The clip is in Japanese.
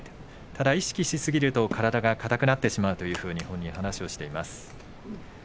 高い意識しすぎると体が硬くなってしまうというふうに本人は話しています。